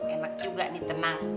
enak juga nih tenang